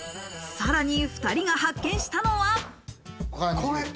さらに２人が発見したのは。